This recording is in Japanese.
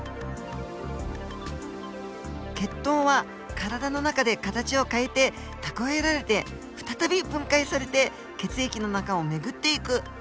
血糖は体の中で形を変えて蓄えられて再び分解されて血液の中を巡っていく。